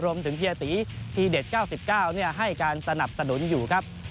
รวมถึงพี่อาตีทีเด็ก๙๙ให้การสนับสนุนอยู่ครับ